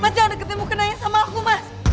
mas jangan deketinmu kenanya sama aku mas